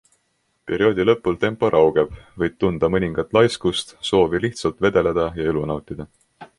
Perioodi lõpul tempo raugeb, võid tunda mõningast laiskust, soovi lihtsalt vedeleda ja elu nautida.